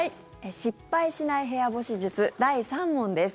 失敗しない部屋干し術第３問です。